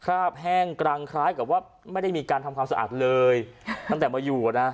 ราบแห้งกรังคล้ายกับว่าไม่ได้มีการทำความสะอาดเลยค่ะตั้งแต่มาอยู่อ่ะนะ